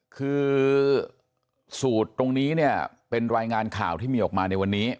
คือสูตรตรงนี้เนี่ยเป็นรายงานข่าวที่มีออกมาในวันนี้